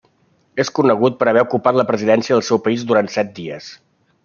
És conegut per haver ocupat la presidència del seu país durant set dies.